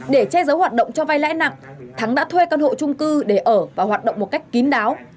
để che giấu hoạt động cho vay lãi nặng thắng đã thuê căn hộ trung cư để ở và hoạt động một cách kín đáo